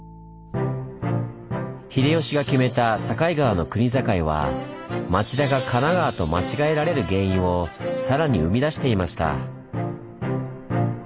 秀吉が決めた境川の国境は町田が神奈川と間違えられる原因をさらに生み出していました。